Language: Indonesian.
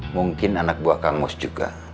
mungkin anak buah kangos juga